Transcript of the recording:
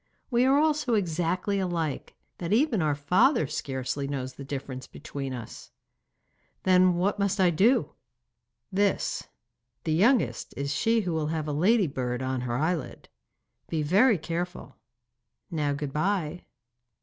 'We are all so exactly alike, that even our father scarcely knows the difference between us.' 'Then what must I do?' 'This. The youngest is she who will have a ladybird on her eyelid. Be very careful. Now good bye.